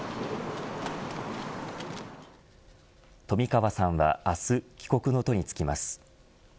冨川さんは明日、帰国の途に就きます。